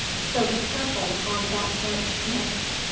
So be careful on that head, Smith.